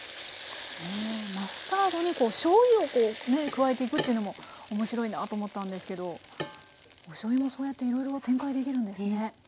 マスタードにしょうゆを加えていくっていうのも面白いなと思ったんですけどおしょうゆもそうやっていろいろ展開できるんですね。